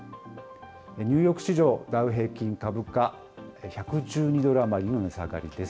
ニューヨーク市場ダウ平均株価、１１２ドル余りの値下がりです。